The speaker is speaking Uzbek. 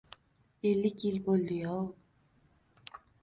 Ellik yil bo’ldi-yov.